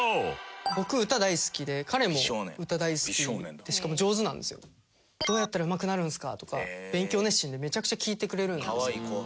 僕歌大好きで彼も歌大好きでしかも上手なんですよ。とか勉強熱心でめちゃくちゃ聞いてくれるんですよ。